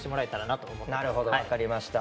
なるほど分かりました。